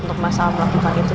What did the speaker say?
untuk mas al melakukan itu